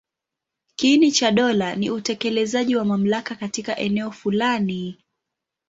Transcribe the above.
Kiini cha dola ni utekelezaji wa mamlaka katika eneo fulani.